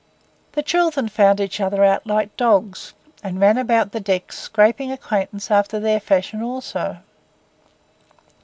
The children found each other out like dogs, and ran about the decks scraping acquaintance after their fashion also.